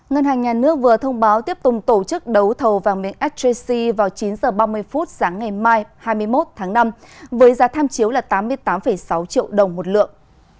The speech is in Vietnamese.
ngân hàng nhà nước vừa thông báo tiếp tục tổ chức đấu thầu vàng miếng sjc vào chín h ba mươi phút sáng ngày mai hai mươi một tháng năm với giá tham chiếu là tám mươi tám sáu triệu đồng một lượng